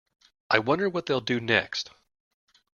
I wonder what they’ll do next!